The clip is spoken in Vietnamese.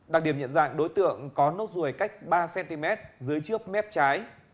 đặc điểm nhận dạng đối tượng có nốt ruồi cách ba cm dưới trước mép trái